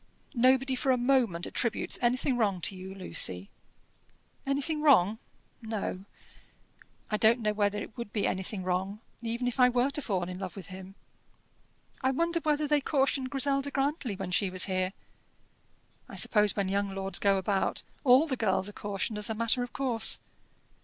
"Nobody for a moment attributes anything wrong to you, Lucy." "Anything wrong no. I don't know whether it would be anything wrong, even if I were to fall in love with him. I wonder whether they cautioned Griselda Grantly when she was here? I suppose when young lords go about, all the girls are cautioned as a matter of course.